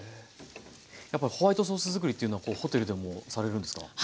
やっぱりホワイトソース作りというのはホテルでもされるんですか？